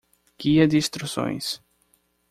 Guia de instruções.